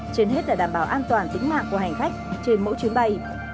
trên hết là đảm bảo an toàn tính mạng của hành khách trên mỗi chuyến bay